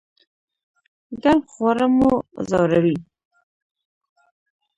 ګرم خواړه مو ځوروي؟